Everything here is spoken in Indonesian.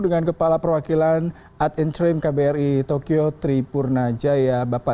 dan saat ini kita sempat berbicara